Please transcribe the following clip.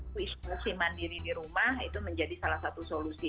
keistimewaan diri di rumah itu menjadi salah satu solusi